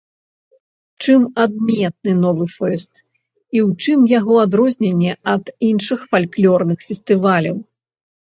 Чым адметны новы фэст і ў чым яго адрозненне ад іншых фальклорных фестываляў?